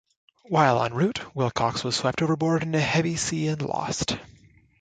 While en route, Wilcox was swept overboard in a heavy sea and lost.